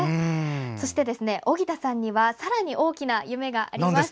そして、荻田さんにはさらに大きな夢があります。